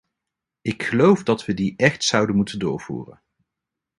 Ik geloof dat we die echt zouden moeten doorvoeren.